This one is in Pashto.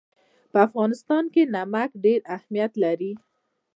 په افغانستان کې نمک ډېر اهمیت لري.